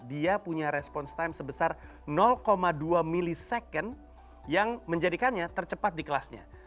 dia punya response time sebesar dua millisecond yang menjadikannya tercepat di kelasnya